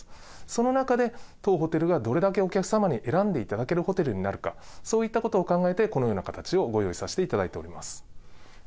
その中で、当ホテルがどれだけお客様に選んでいただけるホテルになるか、そういったことを考えて、このような形をご用意させていただいております。